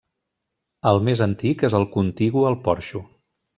El més antic és el contigu al porxo.